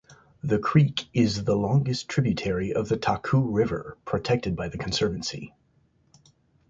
The creek the longest tributary of the Taku River protected by the conservancy.